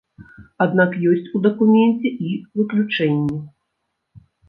Аднак ёсць у дакуменце і выключэнні.